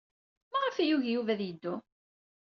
Maɣef ay yugi Yuba ad yeddu?